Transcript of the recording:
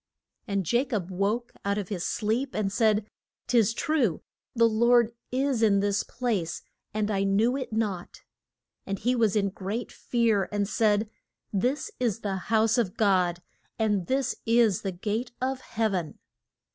And Ja cob woke out of his sleep, and said, 'Tis true the Lord is in this place, and I knew it not. And he was in great fear, and said, This is the house of God, and this is the gate of heav en!